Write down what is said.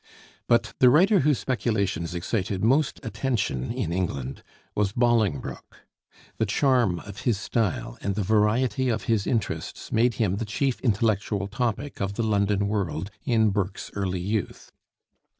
But the writer whose speculations excited most attention in England was Bolingbroke. The charm of his style and the variety of his interests made him the chief intellectual topic of the London world in Burke's early youth.